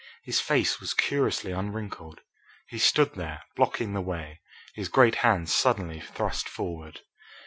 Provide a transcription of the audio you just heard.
His face was curiously unwrinkled. He stood there, blocking the way, his great hands suddenly thrust forward.